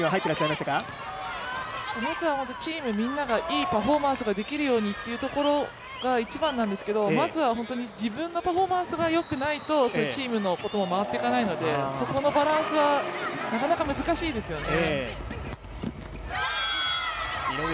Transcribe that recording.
まずはチームみんながいいパフォーマンスができるようにということが一番なんですけれどもまずは自分のパフォーマンスが良くないと、チームのことも回っていかないので、そこのバランスは、なかなか難しいですよね。